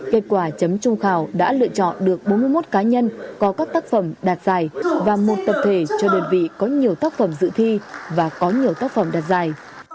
kết quả chấm trung khảo đã lựa chọn được bốn mươi một cá nhân có các tác phẩm đạt giải và một tập thể cho đơn vị có nhiều tác phẩm dự thi và có nhiều tác phẩm đặt giải